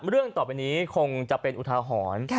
เรื่องต่อไปนี้คงจะเป็นอุทาหรณ์